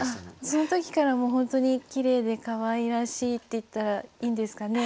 その時からもうほんとにきれいでかわいらしいっていったらいいんですかね。